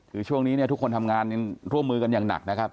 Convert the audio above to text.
คือช่วงนี้เนี่ยทุกคนทำงานร่วมมือกันอย่างหนักนะครับ